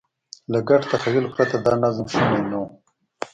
له ګډ تخیل پرته دا نظم شونی نه و.